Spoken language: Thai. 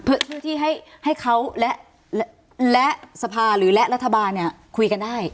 เพื่อที่ให้เขาและสภาหรือและรัฐบาลเนี่ยคุยกันได้